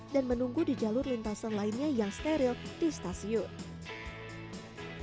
dan menunggu di jalur lintasan lainnya yang steril di stasiun